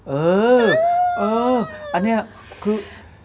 เออเอออันนี้คือ